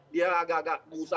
dia agak agak berusaha